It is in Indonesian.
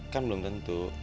kan belum tentu